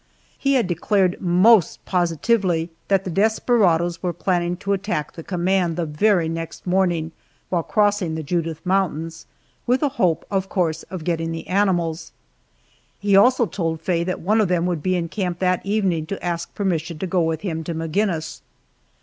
He had declared most positively that the desperadoes were planning to attack the command, the very next morning while crossing the Judith Mountains, with a hope, of course, of getting the animals. He also told Faye that one of them would be in camp that evening to ask permission to go with him to Maginnis.